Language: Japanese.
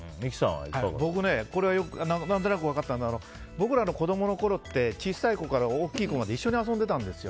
僕はこれ何となく分かったのは僕らの子供のころって小さい子から大きい子まで一緒に遊んでたんですよ。